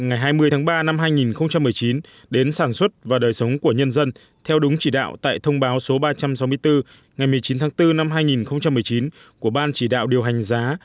ngày hai mươi tháng ba năm hai nghìn một mươi chín đến sản xuất và đời sống của nhân dân theo đúng chỉ đạo tại thông báo số ba trăm sáu mươi bốn ngày một mươi chín tháng bốn năm hai nghìn một mươi chín của ban chỉ đạo điều hành giá